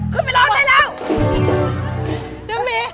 ขึ้นไปรอดได้แล้ว